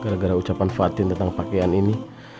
gara gara ucapan fatin tentang pakaian ini